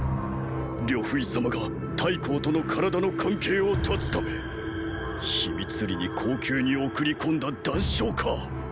呂不韋様が太后との体の関係を断つため秘密裏に後宮に送り込んだ男娼か！